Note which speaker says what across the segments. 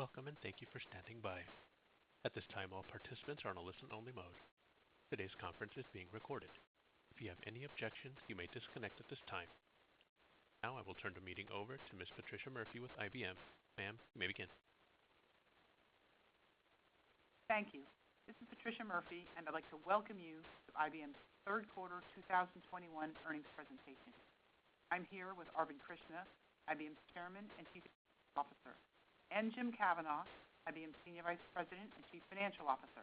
Speaker 1: Welcome, and thank you for standing by. At this time, all participants are on a listen-only mode. Today's conference is being recorded. If you have any objections, you may disconnect at this time. I will turn the meeting over to Ms. Patricia Murphy with IBM. Ma'am, you may begin.
Speaker 2: Thank you. This is Patricia Murphy, and I'd like to welcome you to IBM's Third Quarter 2021 Earnings Presentation. I'm here with Arvind Krishna, IBM's Chairman and Chief Executive Officer, and James Kavanaugh, IBM's Senior Vice President and Chief Financial Officer.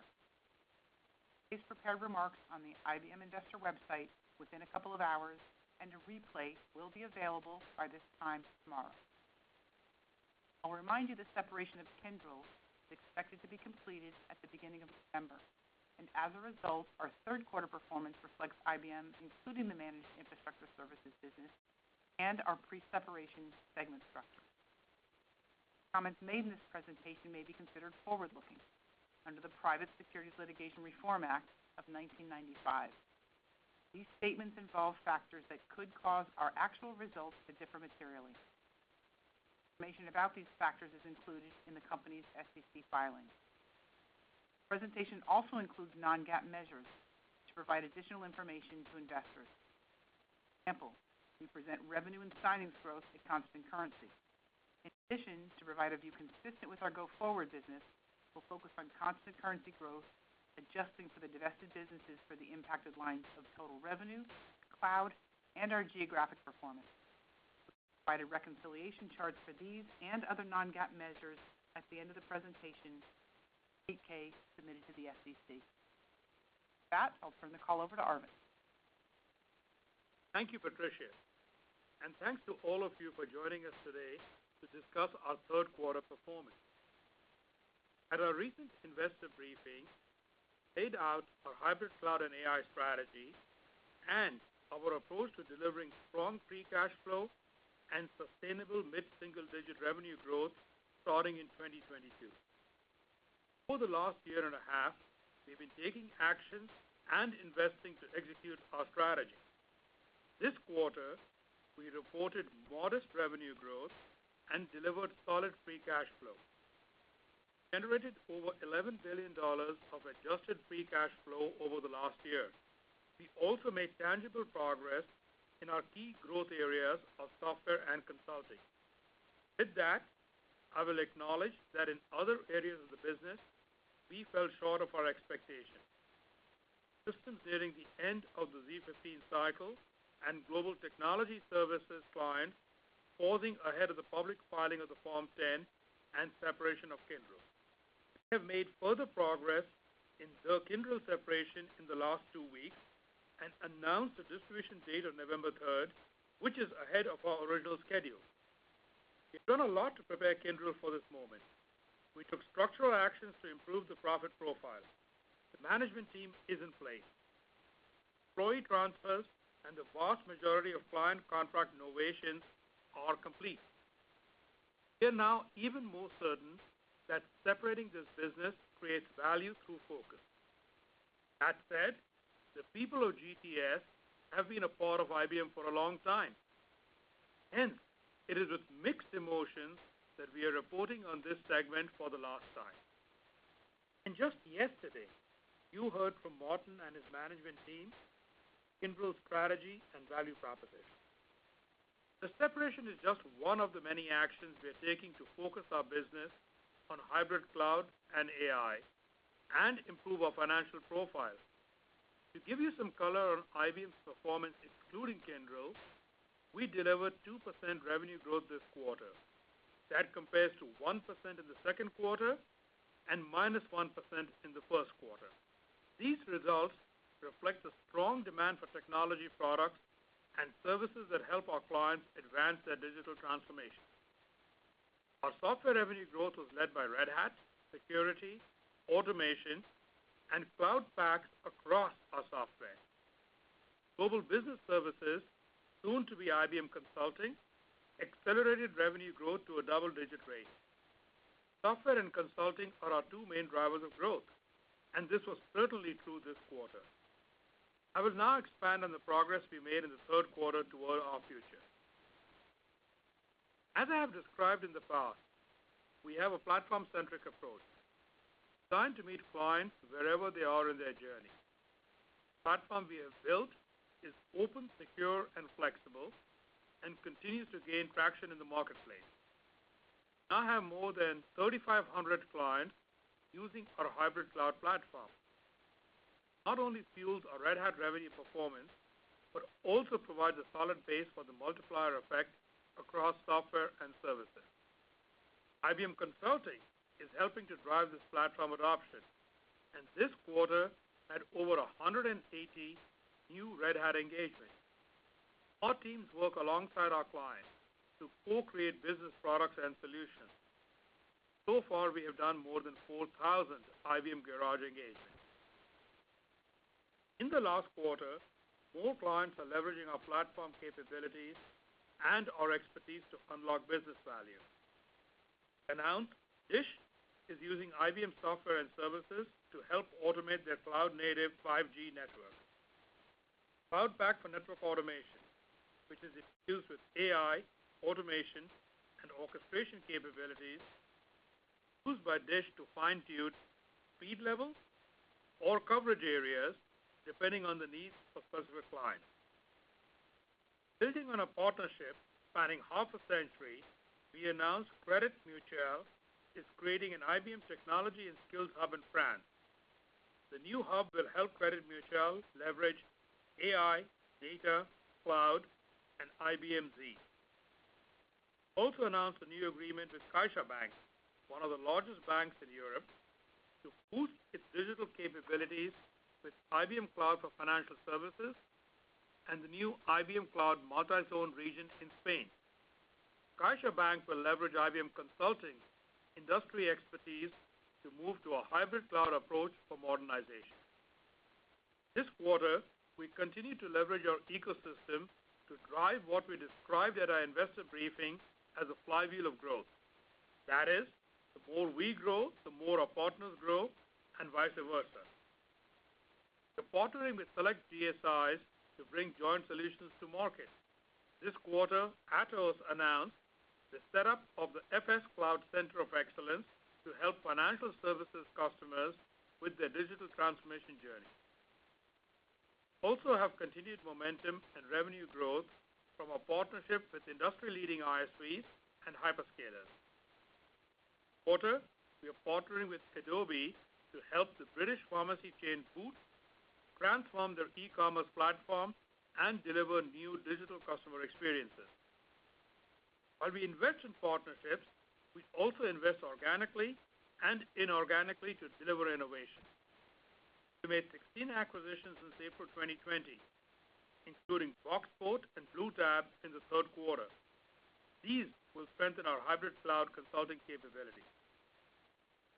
Speaker 2: Today's prepared remarks are available on the IBM investor website within a couple of hours, and a replay will be available by this time tomorrow. I'll remind you the separation of Kyndryl is expected to be completed at the beginning of December, and as a result, our third quarter performance reflects IBM, including the managed infrastructure services business and our pre-separation segment structure. Comments made in this presentation may be considered forward-looking under the Private Securities Litigation Reform Act of 1995. These statements involve factors that could cause our actual results to differ materially. Information about these factors is included in the company's SEC filings. Presentation also includes non-GAAP measures to provide additional information to investors. For example, we present revenue and signings growth at constant currency. To provide a view consistent with our go-forward business, we'll focus on constant currency growth, adjusting for the divested businesses for the impacted lines of total revenue, cloud, and our geographic performance. We'll provide a reconciliation chart for these and other non-GAAP measures at the end of the presentation, 8-K submitted to the SEC. With that, I'll turn the call over to Arvind.
Speaker 3: Thank you, Patricia, and thanks to all of you for joining us today to discuss our third quarter performance. At our recent investor briefing, laid out our hybrid cloud and AI strategy and our approach to delivering strong free cash flow and sustainable mid-single-digit revenue growth starting in 2022. Over the last year and a half, we've been taking actions and investing to execute our strategy. This quarter, we reported modest revenue growth and delivered solid free cash flow. Generated over $11 billion of adjusted free cash flow over the last year. We also made tangible progress in our key growth areas of software and consulting. With that, I will acknowledge that in other areas of the business, we fell short of our expectations. Systems nearing the end of the z15 cycle and Global Technology Services clients pausing ahead of the public filing of the Form 10 and separation of Kyndryl. We have made further progress in the Kyndryl separation in the last two weeks and announced the distribution date on November 3rd, which is ahead of our original schedule. We've done a lot to prepare Kyndryl for this moment. We took structural actions to improve the profit profile. The management team is in place. Employee transfers and the vast majority of client contract novations are complete. We are now even more certain that separating this business creates value through focus. That said, the people of GTS have been a part of IBM for a long time. It is with mixed emotions that we are reporting on this segment for the last time. Just yesterday, you heard from Martin and his management team, Kyndryl's strategy and value proposition. The separation is just one of the many actions we're taking to focus our business on hybrid cloud and AI and improve our financial profile. To give you some color on IBM's performance, excluding Kyndryl, we delivered 2% revenue growth this quarter. That compares to 1% in the second quarter and -1% in the first quarter. These results reflect the strong demand for technology products and services that help our clients advance their digital transformation. Our software revenue growth was led by Red Hat, security, automation, and Cloud Paks across our software. Global Business Services, soon to be IBM Consulting, accelerated revenue growth to a double-digit rate. Software and consulting are our two main drivers of growth, and this was certainly true this quarter. I will now expand on the progress we made in the third quarter toward our future. As I have described in the past, we have a platform-centric approach, designed to meet clients wherever they are in their journey. The platform we have built is open, secure, and flexible and continues to gain traction in the marketplace. We now have more than 3,500 clients using our hybrid cloud platform. Not only fuels our Red Hat revenue performance, but also provides a solid base for the multiplier effect across software and services. IBM Consulting is helping to drive this platform adoption, and this quarter had over 180 new Red Hat engagements. Our teams work alongside our clients to co-create business products and solutions. Far, we have done more than 4,000 IBM Garage engagements. In the last quarter, more clients are leveraging our platform capabilities and our expertise to unlock business value. Announced DISH is using IBM software and services to help automate their cloud-native 5G network. Cloud Pak for Network Automation, which is infused with AI, automation, and orchestration capabilities, used by DISH to fine-tune speed levels or coverage areas depending on the needs of specific clients. Building on a partnership spanning half a century, we announced Crédit Mutuel is creating an IBM technology and skills hub in France. The new hub will help Crédit Mutuel leverage AI, data, cloud, and IBM Z. Announced a new agreement with CaixaBank, one of the largest banks in Europe, to boost its digital capabilities with IBM Cloud for Financial Services and the new IBM Cloud Multi-Zone Region in Spain. CaixaBank will leverage IBM Consulting industry expertise to move to a hybrid cloud approach for modernization. This quarter, we continued to leverage our ecosystem to drive what we described at our investor briefing as a flywheel of growth. That is, the more we grow, the more our partners grow, and vice versa. We're partnering with select GSIs to bring joint solutions to market. This quarter, Atos announced the setup of the Atos Cloud Center of Excellence to help financial services customers with their digital transformation journey. We also have continued momentum and revenue growth from our partnership with industry-leading ISVs and hyperscalers. This quarter, we are partnering with Adobe to help the British pharmacy chain, Boots, transform their e-commerce platform and deliver new digital customer experiences. While we invest in partnerships, we also invest organically and inorganically to deliver innovation. We made 16 acquisitions since April 2020, including BoxBoat and Bluetab in the third quarter. These will strengthen our hybrid cloud consulting capabilities.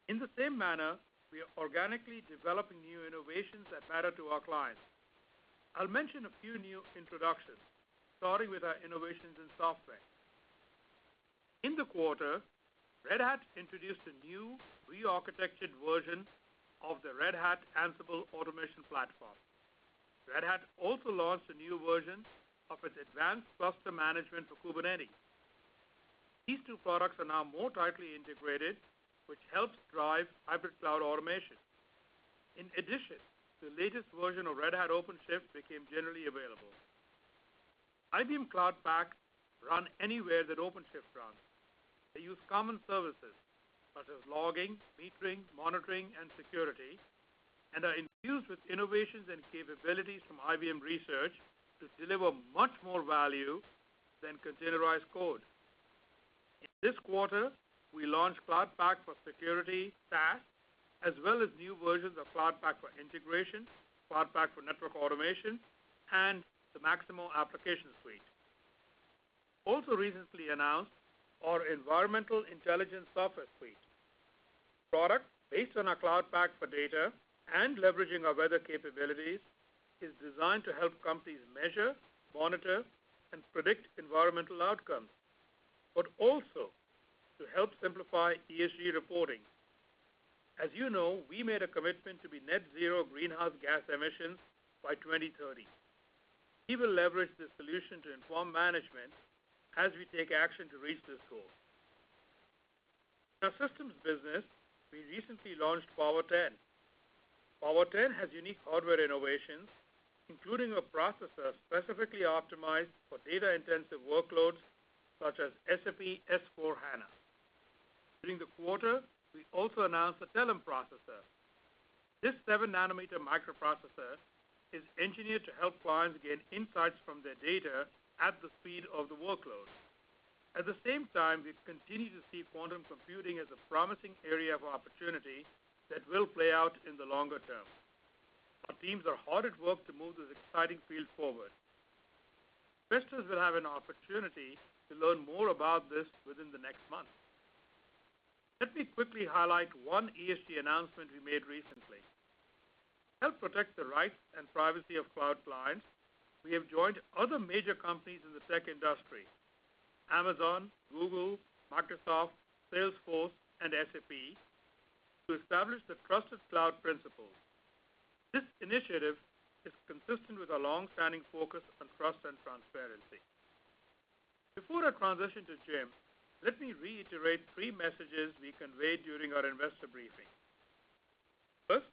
Speaker 3: In the same manner, we are organically developing new innovations that matter to our clients. I'll mention a few new introductions, starting with our innovations in software. In the quarter, Red Hat introduced a new re-architected version of the Red Hat Ansible Automation Platform. Red Hat also launched a new version of its Red Hat Advanced Cluster Management for Kubernetes. These two products are now more tightly integrated, which helps drive hybrid cloud automation. In addition, the latest version of Red Hat OpenShift became generally available. IBM Cloud Paks run anywhere that OpenShift runs. They use common services such as logging, metering, monitoring, and security, and are infused with innovations and capabilities from IBM Research to deliver much more value than containerized code. In this quarter, we launched Cloud Pak for Security SaaS, as well as new versions of Cloud Pak for Integration, Cloud Pak for Network Automation, and the Maximo Application Suite. Also recently announced our Environmental Intelligence Suite. The product, based on our Cloud Pak for Data and leveraging our weather capabilities, is designed to help companies measure, monitor, and predict environmental outcomes, but also to help simplify ESG reporting. As you know, we made a commitment to be net zero greenhouse gas emissions by 2030. We will leverage this solution to inform management as we take action to reach this goal. In our systems business, we recently launched Power10. Power10 has unique hardware innovations, including a processor specifically optimized for data-intensive workloads such as SAP S/4HANA. During the quarter, we also announced the Telum processor. This seven nanometer microprocessor is engineered to help clients gain insights from their data at the speed of the workload. At the same time, we continue to see quantum computing as a promising area of opportunity that will play out in the longer term. Our teams are hard at work to move this exciting field forward. Investors will have an opportunity to learn more about this within the next month. Let me quickly highlight one ESG announcement we made recently. To help protect the rights and privacy of cloud clients, we have joined other major companies in the tech industry, Amazon, Google, Microsoft, Salesforce, and SAP, to establish the Trusted Cloud Principles. This initiative is consistent with our longstanding focus on trust and transparency. Before I transition to Jim, let me reiterate three messages we conveyed during our investor briefing. First,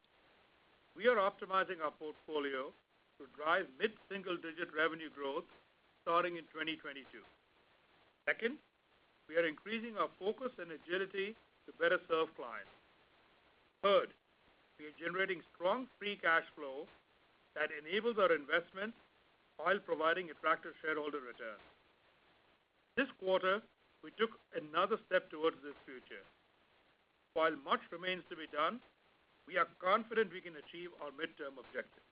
Speaker 3: we are optimizing our portfolio to drive mid-single-digit revenue growth starting in 2022. Second, we are increasing our focus and agility to better serve clients. Third, we are generating strong free cash flow that enables our investment while providing attractive shareholder returns. This quarter, we took another step towards this future. While much remains to be done, we are confident we can achieve our midterm objectives.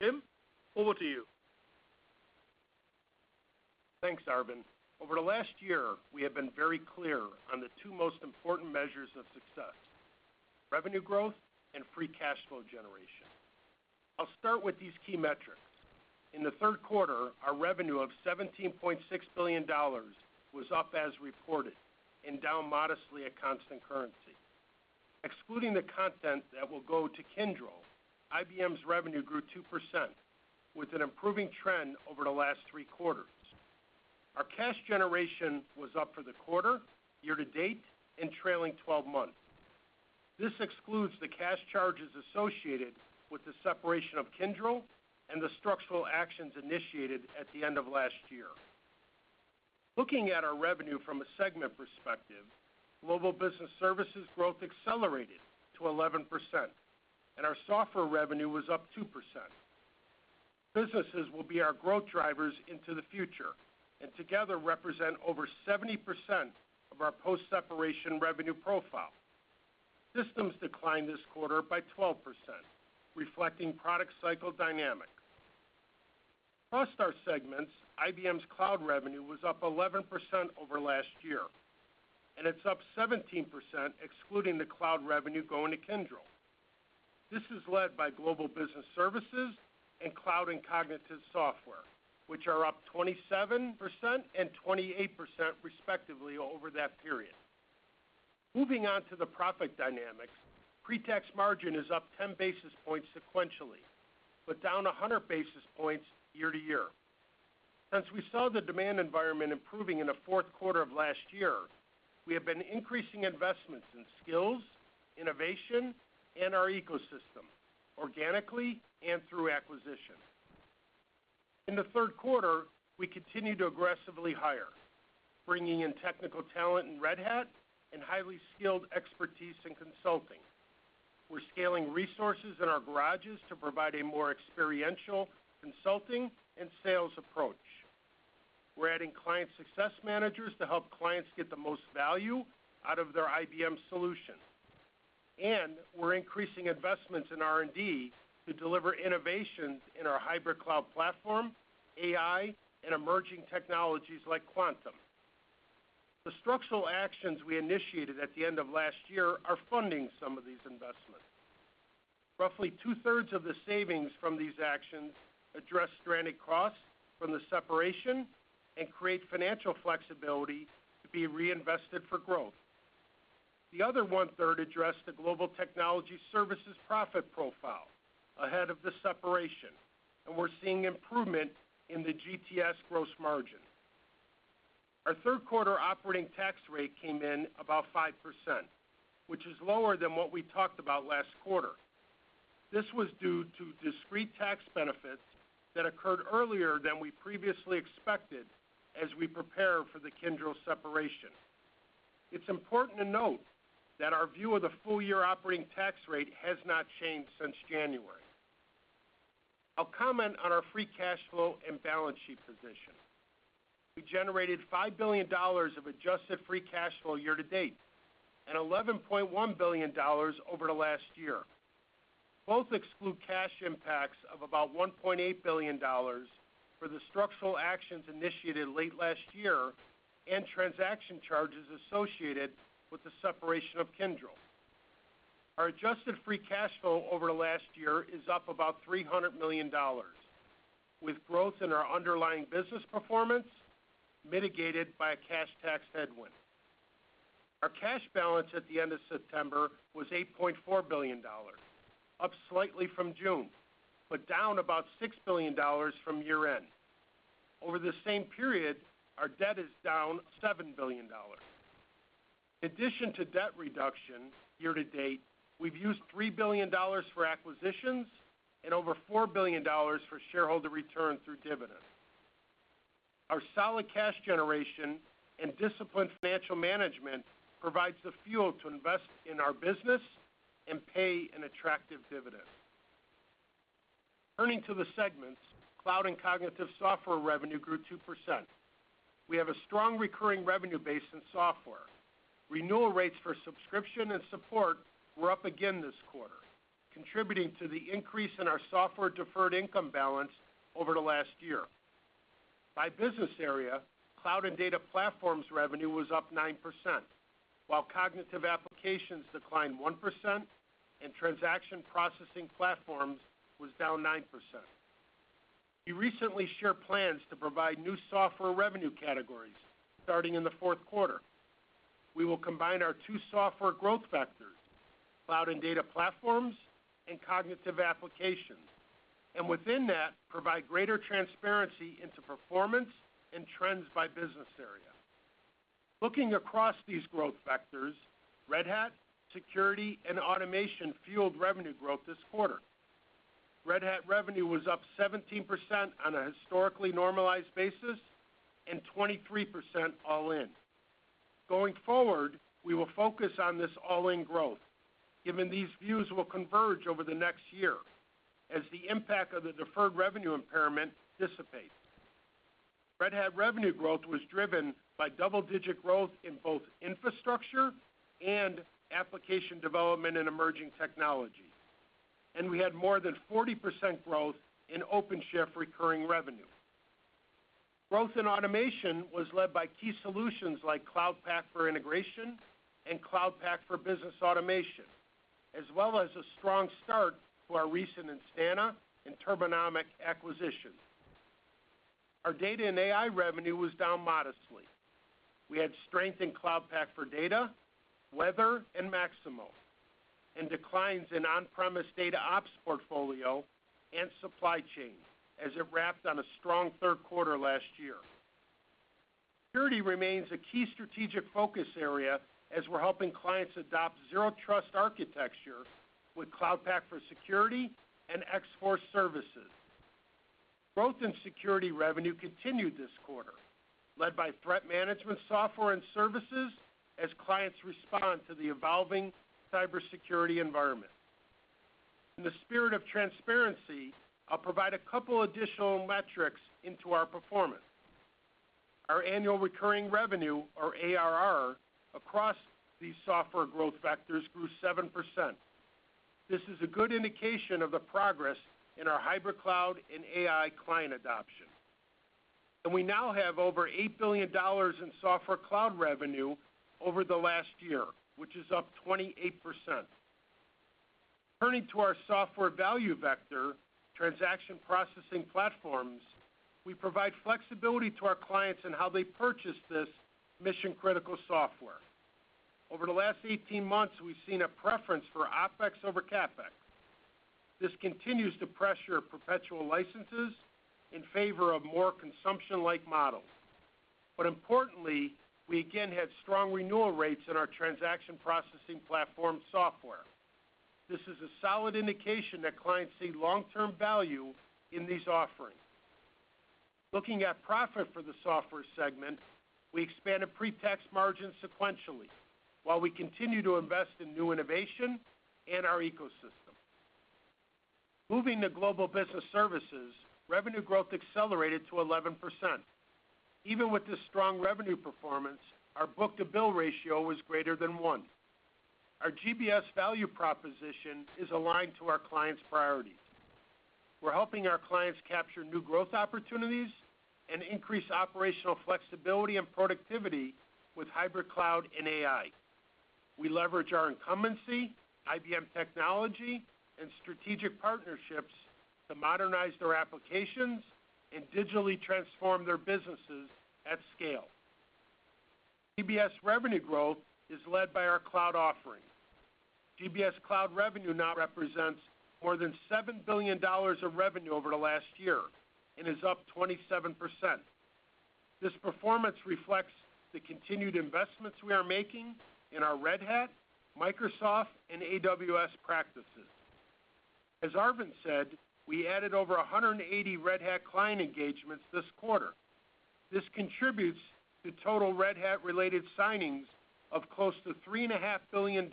Speaker 3: James, over to you.
Speaker 4: Thanks, Arvind. Over the last year, we have been very clear on the two most important measures of success, revenue growth and free cash flow generation. I'll start with these key metrics. In the 3rd quarter, our revenue of $17.6 billion was up as reported and down modestly at constant currency. Excluding the content that will go to Kyndryl, IBM's revenue grew 2%, with an improving trend over the last three quarters. Our cash generation was up for the quarter, year to date, and trailing 12 months. This excludes the cash charges associated with the separation of Kyndryl and the structural actions initiated at the end of last year. Looking at our revenue from a segment perspective, Global Business Services growth accelerated to 11%, and our software revenue was up 2%. Businesses will be our growth drivers into the future, and together represent over 70% of our post-separation revenue profile. Systems declined this quarter by 12%, reflecting product cycle dynamics. Across our segments, IBM's cloud revenue was up 11% over last year, and it's up 17% excluding the cloud revenue going to Kyndryl. This is led by Global Business Services and Cloud and Cognitive Software, which are up 27% and 28%, respectively, over that period. Moving on to the profit dynamics, pretax margin is up 10 basis points sequentially, but down 100 basis points year-over-year. Since we saw the demand environment improving in the fourth quarter of last year, we have been increasing investments in skills, innovation, and our ecosystem, organically and through acquisition. In the third quarter, we continued to aggressively hire, bringing in technical talent in Red Hat and highly skilled expertise in consulting. We're scaling resources in our garages to provide a more experiential consulting and sales approach. We're adding client success managers to help clients get the most value out of their IBM solution. We're increasing investments in R&D to deliver innovations in our hybrid cloud platform, AI, and emerging technologies like Quantum. The structural actions we initiated at the end of last year are funding some of these investments. Roughly two-thirds of the savings from these actions address stranded costs from the separation and create financial flexibility to be reinvested for growth. The other one-third address the Global Technology Services profit profile ahead of the separation, and we're seeing improvement in the GTS gross margin. Our third quarter operating tax rate came in about 5%, which is lower than what we talked about last quarter. This was due to discrete tax benefits that occurred earlier than we previously expected as we prepare for the Kyndryl separation. It's important to note that our view of the full-year operating tax rate has not changed since January. I will comment on our free cash flow and balance sheet position. We generated $5 billion of adjusted free cash flow year to date, and $11.1 billion over the last year. Both exclude cash impacts of about $1.8 billion for the structural actions initiated late last year and transaction charges associated with the separation of Kyndryl. Our adjusted free cash flow over the last year is up about $300 million, with growth in our underlying business performance mitigated by a cash tax headwind. Our cash balance at the end of September was $8.4 billion, up slightly from June, but down about $6 billion from year-end. Over the same period, our debt is down $7 billion. In addition to debt reduction year to date, we've used $3 billion for acquisitions and over $4 billion for shareholder return through dividends. Our solid cash generation and disciplined financial management provides the fuel to invest in our business and pay an attractive dividend. Turning to the segments, Cloud & Cognitive Software revenue grew 2%. We have a strong recurring revenue base in software. Renewal rates for subscription and support were up again this quarter, contributing to the increase in our software deferred income balance over the last year. By business area, Cloud & Data Platforms revenue was up 9%, while Cognitive Applications declined 1% and Transaction Processing Platforms was down 9%. We recently shared plans to provide new software revenue categories starting in the fourth quarter. We will combine our two software growth vectors, Cloud and Data Platforms and Cognitive Applications, and within that, provide greater transparency into performance and trends by business area. Looking across these growth vectors, Red Hat, Security, and Automation fueled revenue growth this quarter. Red Hat revenue was up 17% on a historically normalized basis and 23% all in. Going forward, we will focus on this all-in growth, given these views will converge over the next year as the impact of the deferred revenue impairment dissipates. Red Hat revenue growth was driven by double-digit growth in both infrastructure and application development and emerging technology. We had more than 40% growth in OpenShift recurring revenue. Growth in Automation was led by key solutions like Cloud Pak for Integration and Cloud Pak for Business Automation, as well as a strong start to our recent Instana and Turbonomic acquisitions. Our data and AI revenue was down modestly. We had strength in Cloud Pak for Data, Weather, and Maximo, and declines in on-premise DataOps portfolio and supply chain as it wrapped on a strong third quarter last year. Security remains a key strategic focus area as we're helping clients adopt zero trust architecture with Cloud Pak for Security and X-Force services. Growth in security revenue continued this quarter, led by threat management software and services as clients respond to the evolving cybersecurity environment. In the spirit of transparency, I'll provide a couple of additional metrics into our performance. Our annual recurring revenue, or ARR, across these software growth vectors grew 7%. This is a good indication of the progress in our hybrid cloud and AI client adoption. We now have over $8 billion in software cloud revenue over the last year, which is up 28%. Turning to our software value vector, Transaction Processing Platforms, we provide flexibility to our clients in how they purchase this mission-critical software. Over the last 18 months, we've seen a preference for OpEx over CapEx. This continues to pressure perpetual licenses in favor of more consumption-like models. Importantly, we again had strong renewal rates in our Transaction Processing Platform software. This is a solid indication that clients see long-term value in these offerings. Looking at profit for the software segment, we expanded pre-tax margins sequentially while we continue to invest in new innovation and our ecosystem. Moving to Global Business Services, revenue growth accelerated to 11%. Even with this strong revenue performance, our book-to-bill ratio was greater than one. Our GBS value proposition is aligned to our clients' priorities. We're helping our clients capture new growth opportunities and increase operational flexibility and productivity with hybrid cloud and AI. We leverage our incumbency, IBM technology, and strategic partnerships to modernize their applications and digitally transform their businesses at scale. GBS revenue growth is led by our cloud offering. GBS cloud revenue now represents more than $7 billion of revenue over the last year and is up 27%. This performance reflects the continued investments we are making in our Red Hat, Microsoft, and AWS practices. As Arvind said, we added over 180 Red Hat client engagements this quarter. This contributes to total Red Hat-related signings of close to $3.5 billion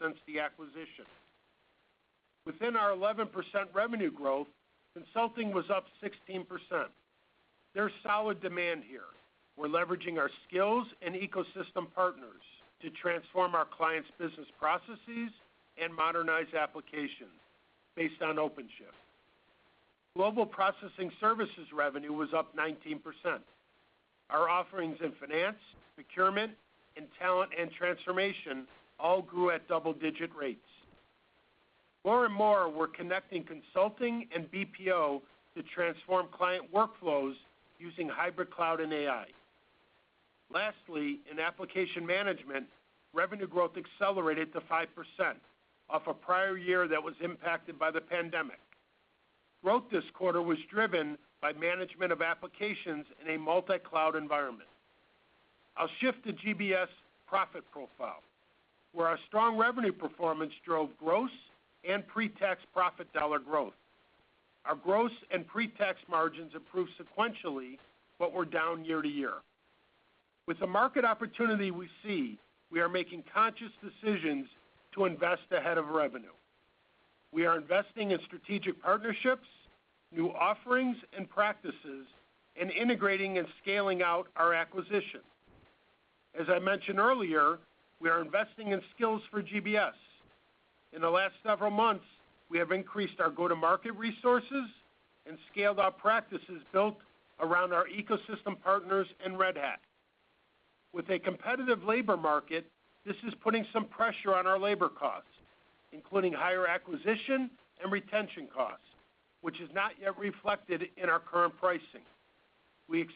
Speaker 4: since the acquisition. Within our 11% revenue growth, consulting was up 16%. There's solid demand here. We're leveraging our skills and ecosystem partners to transform our clients' business processes and modernize applications based on OpenShift. Global Business Services revenue was up 19%. Our offerings in finance, procurement, and talent and transformation all grew at double-digit rates. More and more, we're connecting consulting and BPO to transform client workflows using hybrid cloud and AI. Lastly, in application management, revenue growth accelerated to 5% off a prior year that was impacted by the pandemic. Growth this quarter was driven by management of applications in a multi-cloud environment. I'll shift to IBM Consulting's profit profile, where our strong revenue performance drove gross and pre-tax profit dollar growth. Our gross and pre-tax margins improved sequentially, but were down year-over-year. With the market opportunity we see, we are making conscious decisions to invest ahead of revenue. We are investing in strategic partnerships, new offerings and practices, and integrating and scaling out our acquisition. As I mentioned earlier, we are investing in skills for GBS. In the last several months, we have increased our go-to-market resources and scaled our practices built around our ecosystem partners and Red Hat. With a competitive labor market, this is putting some pressure on our labor costs, including higher acquisition and retention costs, which is not yet reflected in our current pricing. It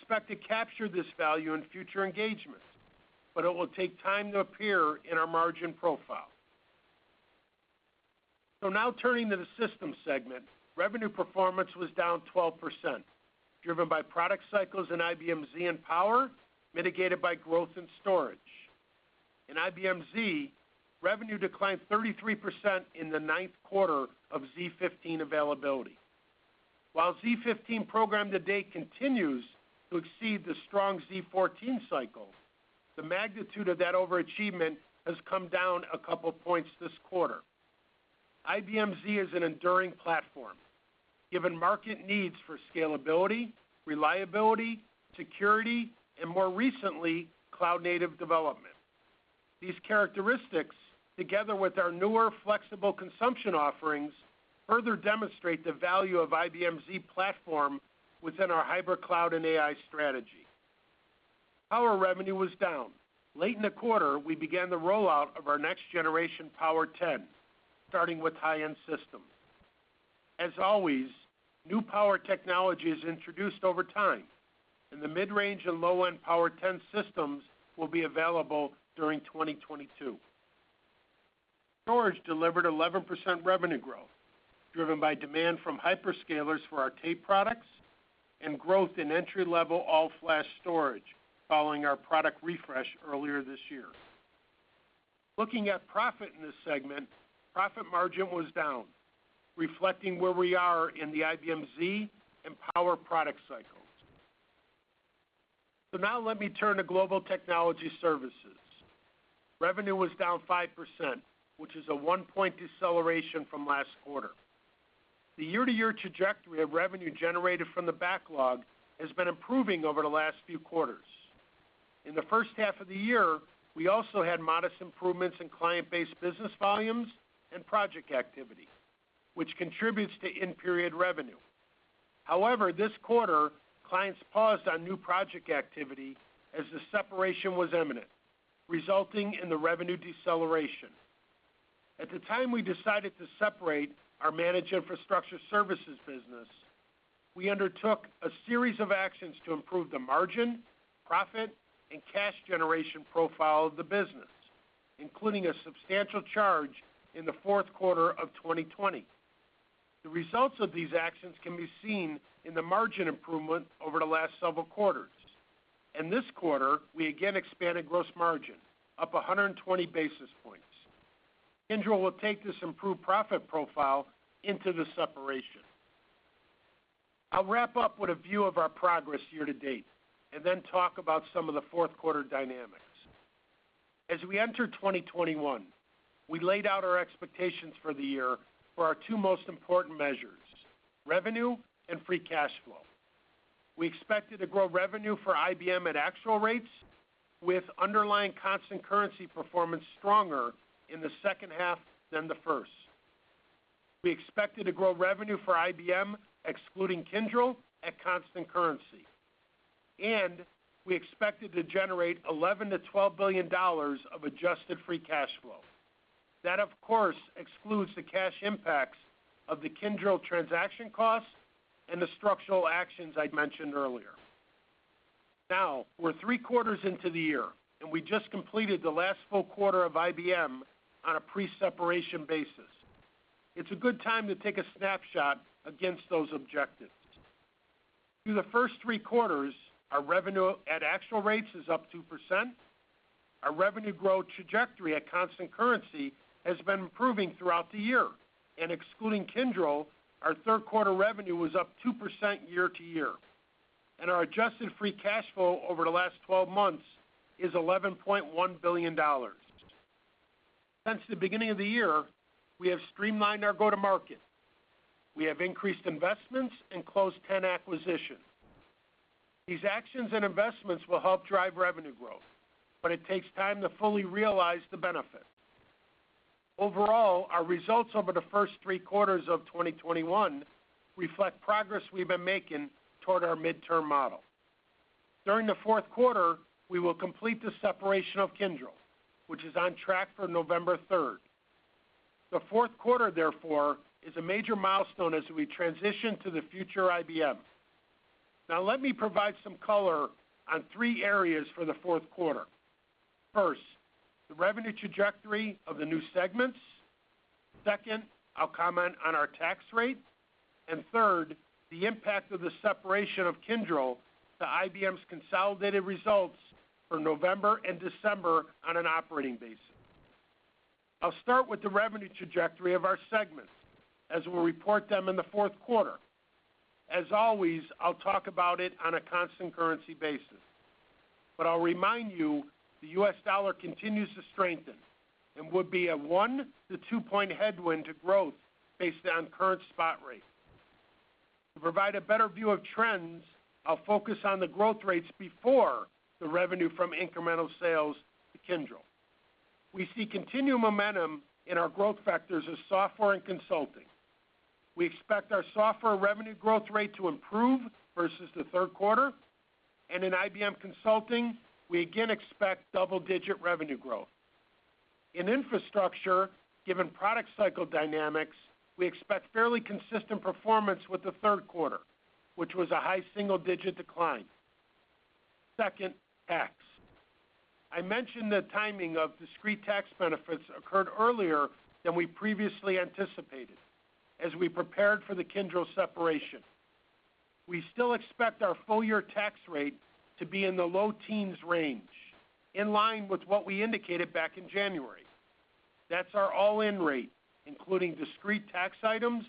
Speaker 4: will take time to appear in our margin profile. Now turning to the system segment, revenue performance was down 12%, driven by product cycles in IBM Z and Power, mitigated by growth in storage. In IBM Z, revenue declined 33% in the ninth quarter of z15 availability. While z15 program to date continues to exceed the strong z14 cycle, the magnitude of that overachievement has come down a couple of points this quarter. IBM Z is an enduring platform, given market needs for scalability, reliability, security, and more recently, cloud-native development. These characteristics, together with our newer flexible consumption offerings, further demonstrate the value of IBM Z platform within our hybrid cloud and AI strategy. Power revenue was down. Late in the quarter, we began the rollout of our next generation Power10, starting with high-end systems. As always, new power technology is introduced over time, and the mid-range and low-end Power10 systems will be available during 2022. Storage delivered 11% revenue growth, driven by demand from hyperscalers for our tape products and growth in entry-level all-flash storage following our product refresh earlier this year. Looking at profit in this segment, profit margin was down, reflecting where we are in the IBM Z and Power product cycles. Now let me turn to Global Technology Services. Revenue was down 5%, which is a one point deceleration from last quarter. The year-to-year trajectory of revenue generated from the backlog has been improving over the last few quarters. In the first half of the year, we also had modest improvements in client-based business volumes and project activity, which contributes to in-period revenue. However, this quarter clients paused on new project activity as the separation was imminent, resulting in the revenue deceleration. At the time we decided to separate our managed infrastructure services business, we undertook a series of actions to improve the margin, profit, and cash generation profile of the business, including a substantial charge in the fourth quarter of 2020. The results of these actions can be seen in the margin improvement over the last several quarters, and this quarter, we again expanded gross margin, up 120 basis points. Kyndryl will take this improved profit profile into the separation. I'll wrap up with a view of our progress year to date and then talk about some of the fourth quarter dynamics. As we entered 2021, we laid out our expectations for the year for our two most important measures, revenue and free cash flow. We expected to grow revenue for IBM at actual rates with underlying constant currency performance stronger in the second half than the first. We expected to grow revenue for IBM, excluding Kyndryl, at constant currency, and we expected to generate $11 billion-$12 billion of adjusted free cash flow. That, of course, excludes the cash impacts of the Kyndryl transaction costs and the structural actions I'd mentioned earlier. We're three quarters into the year, and we just completed the last full quarter of IBM on a pre-separation basis. It's a good time to take a snapshot against those objectives. Through the first three quarters, our revenue at actual rates is up 2%. Our revenue growth trajectory at constant currency has been improving throughout the year. Excluding Kyndryl, our third quarter revenue was up 2% year-to-year. Our adjusted free cash flow over the last 12 months is $11.1 billion. Since the beginning of the year, we have streamlined our go-to-market. We have increased investments and closed 10 acquisitions. These actions and investments will help drive revenue growth, but it takes time to fully realize the benefit. Overall, our results over the first three quarters of 2021 reflect progress we've been making toward our midterm model. During the fourth quarter, we will complete the separation of Kyndryl, which is on track for November 3rd. The fourth quarter, therefore, is a major milestone as we transition to the future IBM. Now, let me provide some color on three areas for the fourth quarter. First, the revenue trajectory of the new segments. Second, I'll comment on our tax rate, and third, the impact of the separation of Kyndryl to IBM's consolidated results for November and December on an operating basis. I'll start with the revenue trajectory of our segments as we'll report them in the fourth quarter. Always, I'll talk about it on a constant currency basis, but I'll remind you the US dollar continues to strengthen and would be a one to two point headwind to growth based on current spot rates. To provide a better view of trends, I'll focus on the growth rates before the revenue from incremental sales to Kyndryl. We see continued momentum in our growth factors of software and consulting. We expect our software revenue growth rate to improve versus the third quarter, and in IBM Consulting, we again expect double-digit revenue growth. In infrastructure, given product cycle dynamics, we expect fairly consistent performance with the third quarter, which was a high single-digit decline. Second, tax. I mentioned the timing of discrete tax benefits occurred earlier than we previously anticipated as we prepared for the Kyndryl separation. We still expect our full-year tax rate to be in the low teens range, in line with what we indicated back in January. That's our all-in rate, including discrete tax items,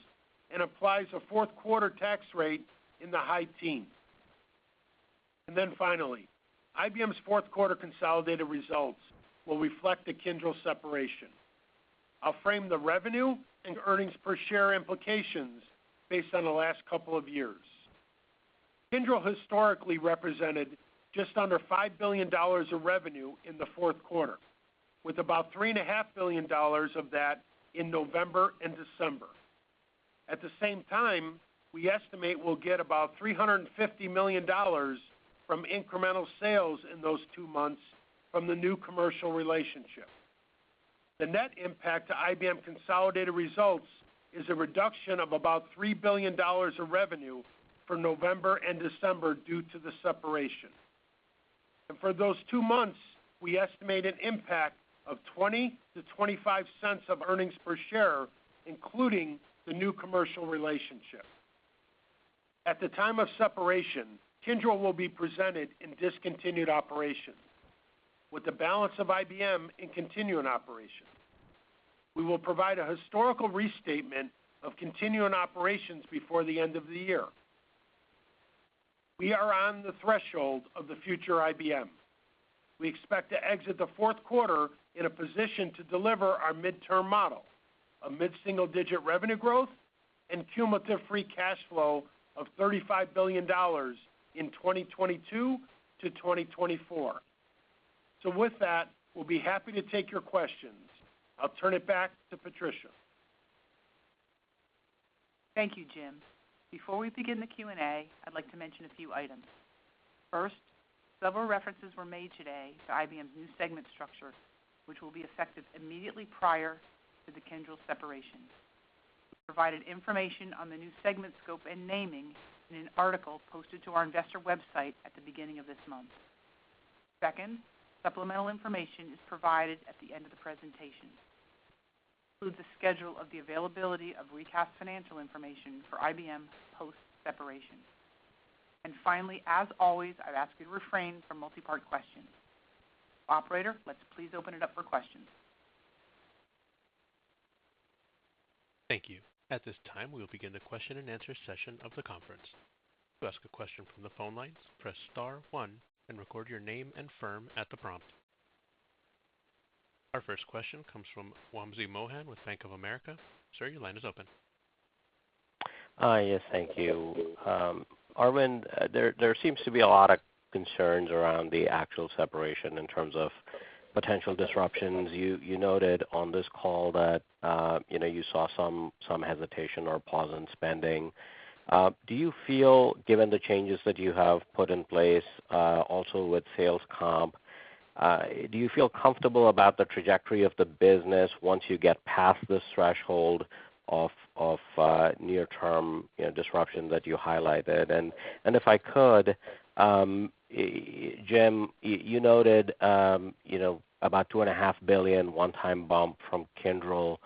Speaker 4: and applies a fourth quarter tax rate in the high teens. Finally, IBM's fourth quarter consolidated results will reflect the Kyndryl separation. I'll frame the revenue and earnings per share implications based on the last couple of years. Kyndryl historically represented just under $5 billion of revenue in the fourth quarter, with about $3.5 billion of that in November and December. At the same time, we estimate we'll get about $350 million from incremental sales in those two months from the new commercial relationship. The net impact to IBM consolidated results is a reduction of about $3 billion of revenue for November and December due to the separation. For those two months, we estimate an impact of $0.20-$0.25 of earnings per share, including the new commercial relationship. At the time of separation, Kyndryl will be presented in discontinued operations, with the balance of IBM in continuing operations. We will provide a historical restatement of continuing operations before the end of the year. We are on the threshold of the future IBM. We expect to exit the fourth quarter in a position to deliver our midterm model of mid-single-digit revenue growth and cumulative free cash flow of $35 billion in 2022 to 2024. With that, we'll be happy to take your questions. I'll turn it back to Patricia.
Speaker 2: Thank you, Jim. Before we begin the Q&A, I'd like to mention a few items. First, several references were made today to IBM's new segment structure, which will be effective immediately prior to the Kyndryl separation. We provided information on the new segment scope and naming in an article posted to our investor website at the beginning of this month. Second, supplemental information is provided at the end of the presentation. This includes a schedule of the availability of recast financial information for IBM post-separation. Finally, as always, I'd ask you to refrain from multi-part questions. Operator, let's please open it up for questions.
Speaker 1: Thank you. At this time, we will begin the question and answer session of the conference. To ask a question from the phone lines, press star one and record your name and firm at the prompt. Our first question comes from Wamsi Mohan with Bank of America. Sir, your line is open.
Speaker 5: Hi. Yes, thank you. Arvind, there seems to be a lot of concerns around the actual separation in terms of potential disruptions. You noted on this call that you saw some hesitation or pause in spending. Do you feel, given the changes that you have put in place, also with sales comp, do you feel comfortable about the trajectory of the business once you get past this threshold of near-term disruption that you highlighted? If I could, Jim, you noted about $2.5 billion one-time bump from Kyndryl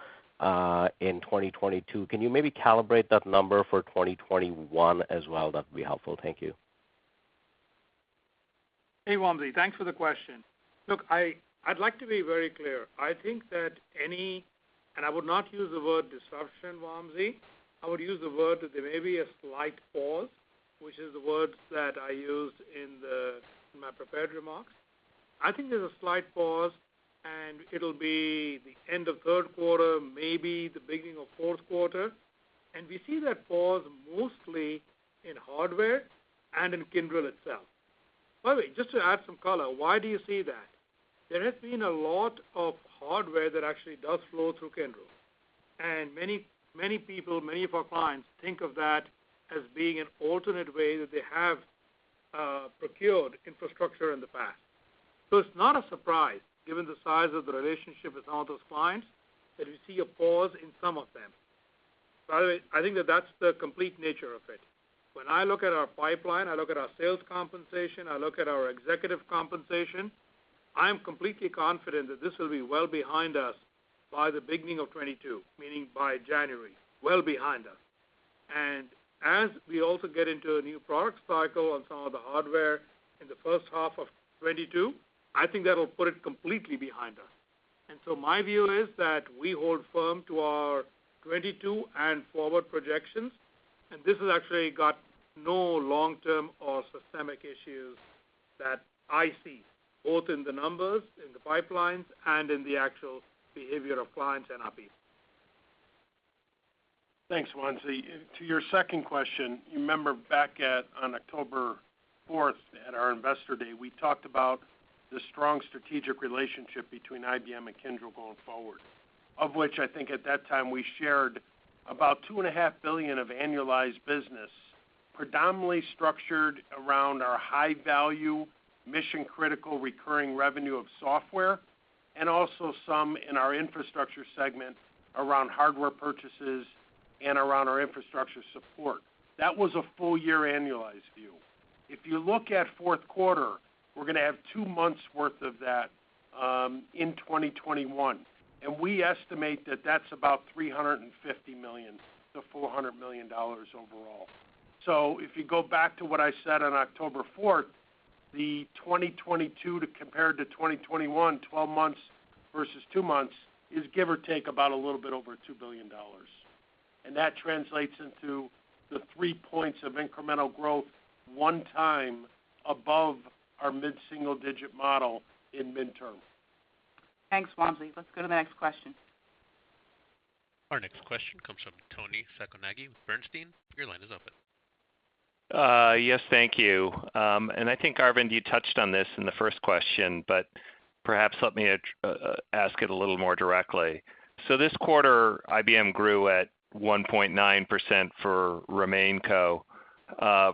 Speaker 5: in 2022. Can you maybe calibrate that number for 2021 as well? That'd be helpful. Thank you.
Speaker 3: Hey, Wamsi. Thanks for the question. Look, I'd like to be very clear. I think that any, I would not use the word disruption, Wamsi. I would use the word that there may be a slight pause, which is the words that I used in my prepared remarks. I think there's a slight pause, it'll be the end of third quarter, maybe the beginning of fourth quarter. We see that pause mostly in hardware and in Kyndryl itself. By the way, just to add some color, why do you see that? There has been a lot of hardware that actually does flow through Kyndryl, many people, many of our clients think of that as being an alternate way that they have procured infrastructure in the past. It's not a surprise, given the size of the relationship with all those clients, that we see a pause in some of them. I think that that's the complete nature of it. When I look at our pipeline, I look at our sales compensation, I look at our executive compensation, I am completely confident that this will be well behind us by the beginning of 2022, meaning by January, well behind us. As we also get into a new product cycle on some of the hardware in the first half of 2022, I think that'll put it completely behind us. My view is that we hold firm to our 2022 and forward projections, and this has actually got no long-term or systemic issues that I see, both in the numbers, in the pipelines, and in the actual behavior of clients and IBM.
Speaker 4: Thanks, Wamsi. To your second question, you remember back on October 4th at our Investor Day, we talked about the strong strategic relationship between IBM and Kyndryl going forward, of which I think at that time we shared about two and a half billion of annualized business, predominantly structured around our high-value, mission-critical recurring revenue of software, and also some in our infrastructure segment around hardware purchases and around our infrastructure support. That was a full-year annualized view. If you look at fourth quarter, we're going to have two months' worth of that in 2021, and we estimate that that's about $350 million-$400 million overall. If you go back to what I said on October 4th, the 2022 compared to 2021, 12 months versus two months, is give or take about a little bit over $2 billion. That translates into the 3 points of incremental growth one time above our mid-single-digit model in midterm.
Speaker 2: Thanks, Wamsi. Let's go to the next question.
Speaker 1: Our next question comes from Toni Sacconaghi with Bernstein. Your line is open.
Speaker 6: Yes, thank you. I think, Arvind, you touched on this in the first question, but perhaps let me ask it a little more directly. This quarter, IBM grew at 1.9% for RemainCo,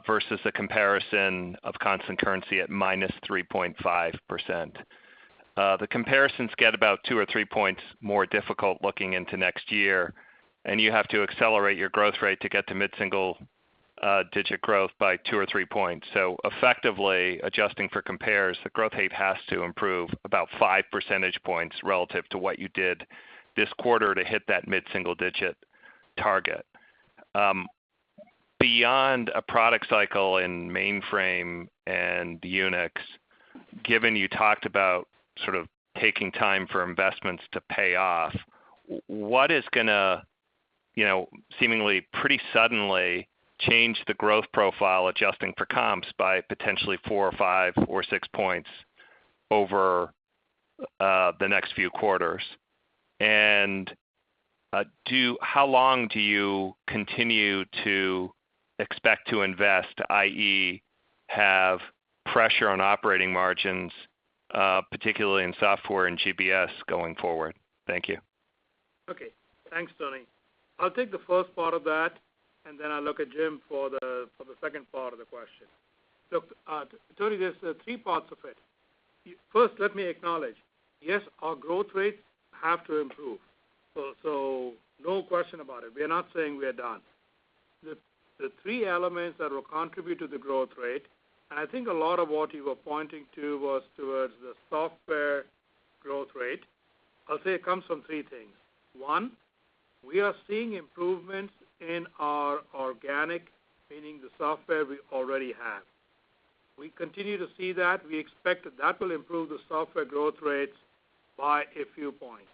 Speaker 6: versus a comparison of constant currency at -3.5%. The comparisons get about two or three points more difficult looking into next year, and you have to accelerate your growth rate to get to mid-single-digit growth by two or three points. Effectively adjusting for compares, the growth rate has to improve about 5 percentage points relative to what you did this quarter to hit that mid-single-digit target. Beyond a product cycle in mainframe and Unix, given you talked about sort of taking time for investments to pay off, what is going to seemingly pretty suddenly change the growth profile, adjusting for comps by potentially four or five or six points over the next few quarters? How long do you continue to expect to invest, i.e. have pressure on operating margins, particularly in software and GBS going forward? Thank you.
Speaker 3: Okay. Thanks, Toni. I'll take the first part of that and then I'll look at Jim for the second part of the question. Look, Toni, there's three parts of it. First, let me acknowledge, yes, our growth rates have to improve. No question about it. We are not saying we are done. The three elements that will contribute to the growth rate, and I think a lot of what you were pointing to was towards the software growth rate, I'll say it comes from three things. One, we are seeing improvements in our organic, meaning the software we already have. We continue to see that. We expect that will improve the software growth rates by a few points.